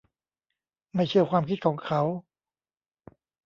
ไม่เชื่อความคิดของเขา